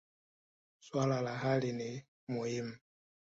Swala la hali ni muhimu.